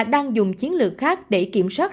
đang dùng chiến lược khác để kiểm soát